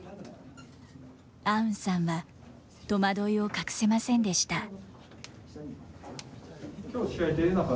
アウンさんは戸惑いを隠せませんでした。